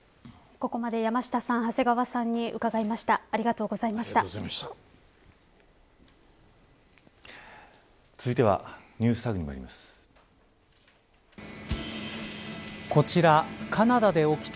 ここまで山下さん長谷川さんに伺いました。